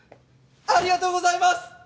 ありがとうございます！